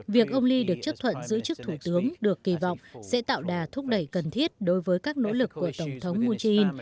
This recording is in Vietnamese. việc ông lee được chấp thuận giữ chức thủ tướng được kỳ vọng sẽ tạo đà thúc đẩy cần thiết đối với các nỗ lực của tổng thống moon jae in